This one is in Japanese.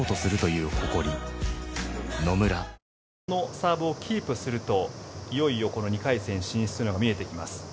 サーブをキープするといよいよこの２回戦進出が見えてきます。